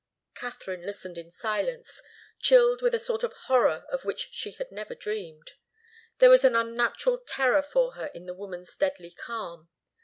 Katharine listened in silence chilled with a sort of horror of which she had never dreamt. There was an unnatural terror for her in the woman's deadly calm.